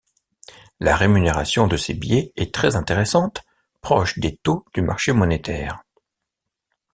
La rémunération de ces billets est très intéressante, proche des taux du marché monétaire.